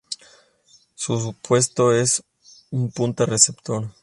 Su puesto es punta-receptor.